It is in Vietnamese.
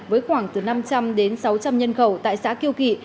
với khoảng từ năm trăm linh đến sáu trăm linh nhân khẩu tại xã kiêu kỳ